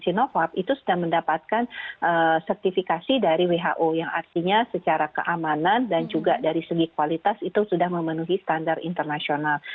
sinovac itu sudah mendapatkan sertifikasi dari who yang artinya secara keamanan dan juga dari segi kualitas itu sudah memenuhi standar internasional